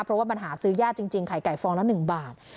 เพราะว่ามันหาซื้อยากจริงไข่ไก่ฟองละ๑บาท